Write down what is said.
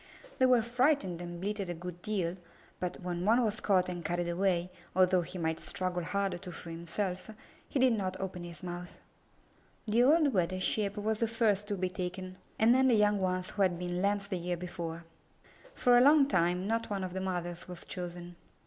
They were frightened and bleated a good deal, but when one was caught and carried away, although he might struggle hard to free himself, he did not open his mouth. The old Wether Sheep was the first to be 261 M Y BOOK HOUSE taken, and then the young ones who had been Lambs the year before. For a long time not one of the mothers was chosen.